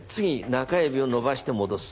中指を伸ばして戻す。